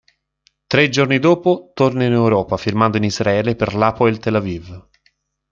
Tre giorni dopo torna in Europa firmando in Israele per l'Hapoel Tel Aviv.